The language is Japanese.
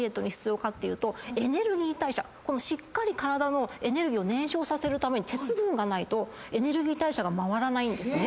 しっかり体のエネルギーを燃焼させるために鉄分がないとエネルギー代謝が回らないんですね。